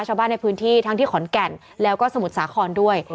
ชาวบ้านในพื้นที่ทั้งที่ขอนแก่นแล้วก็สมุทรสาครด้วย